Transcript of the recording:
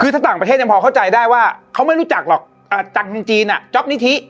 คือถ้าต่างประเทศยังพอเข้าใจได้ว่าเขาไม่รู้จักหรอกจังจีนจ๊อปนิธิ